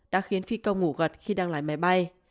đã khiến phi công ngủ gật khi đang lái máy bay